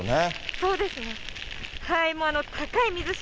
そうですね。